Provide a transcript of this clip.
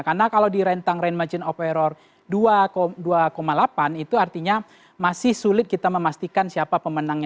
karena kalau di rentang range margin of error dua delapan itu artinya masih sulit kita memastikan siapa pemenangnya